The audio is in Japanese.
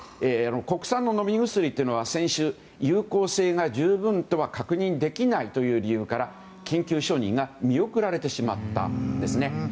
国産の飲み薬というのは先週有効性が十分とは確認できないという理由から緊急承認が見送られてしまったんですね。